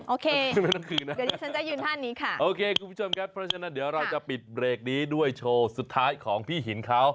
ใช่ไหมทั้งคืนนะเดี๋ยวนี้ฉันจะยืนท่านี้ค่ะโอเคคุณผู้ชมครับเพราะฉะนั้นเดี๋ยวเราจะปิดเบรกนี้ด้วยโชว์สุดท้ายของพี่หินเขา